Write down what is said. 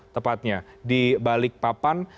tepatnya di balik papan